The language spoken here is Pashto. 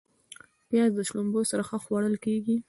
پیاز د شړومبو سره ښه خوړل کېږي